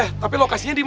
eh tapi lokasinya dimana